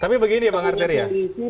tapi begini bang arteria